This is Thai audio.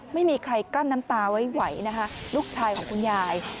ไม่มีใครกลั้นน้ำตาไว้ไหวนะคะลูกชายของคุณยาย